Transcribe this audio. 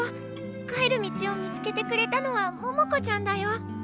帰る道を見つけてくれたのは桃子ちゃんだよ。